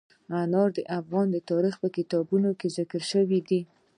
انار د افغان تاریخ په کتابونو کې ذکر شوی دي.